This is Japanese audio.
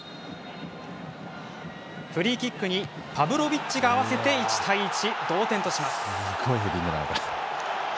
フリーキックにパブロビッチが合わせて１対１、同点とします。